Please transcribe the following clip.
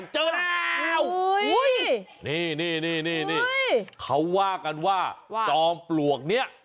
นี่เขาว่ากันว่าจอมปลวกนี้